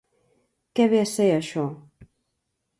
Què ve a ser això.